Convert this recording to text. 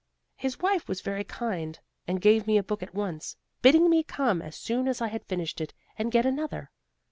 His wife was very kind and gave me a book at once, bidding me come as soon as I had finished it and get another.